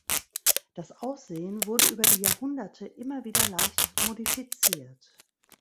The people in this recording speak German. Das Aussehen wurde über die Jahrhunderte immer wieder leicht modifiziert.